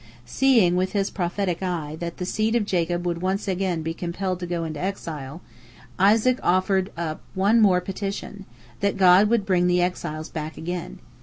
" Seeing with his prophetic eye that the seed of Jacob would once be compelled to go into exile, Isaac offered up one more petition, that God would bring the exiles back again.